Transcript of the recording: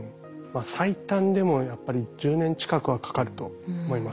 最短でもやっぱり１０年近くはかかると思います。